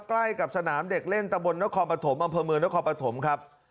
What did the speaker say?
ใกล้กับสนามเด็กเล่นตะบนนครปฐมอำเภอเมืองนครปฐมครับ